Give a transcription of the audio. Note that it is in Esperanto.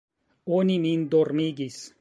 Oni min dormigis.